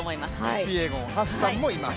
キピエゴン、ハッサンもいます。